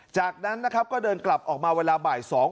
จากนั้นนะครับก็เดินกลับออกมาเวลาบ่าย๒